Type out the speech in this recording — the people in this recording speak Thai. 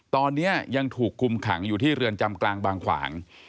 ตอนนี้ยังถูกคุมขังอยู่ที่เรือนจำกลางบางขวาง